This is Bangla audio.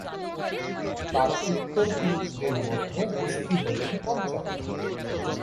তার উত্তর পুরুষদের মধ্যে হস্তী হলেন পঞ্চম।